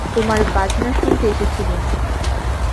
তোমার বাজনা শুনতে এসেছিলুম।